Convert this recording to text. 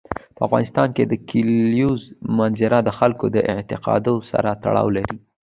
په افغانستان کې د کلیزو منظره د خلکو د اعتقاداتو سره تړاو لري.